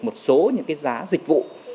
một số những cái giá dịch vụ